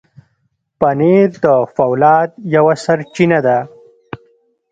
پنېر د فولاد یوه سرچینه ده.